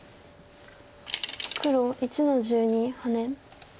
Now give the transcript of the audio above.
黒１の十二ハネ。